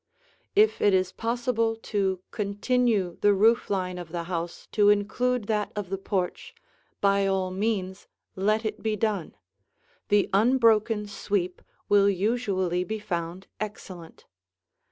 If it is possible to continue the roof line of the house to include that of the porch, by all means let it be done; the unbroken sweep will usually be found excellent.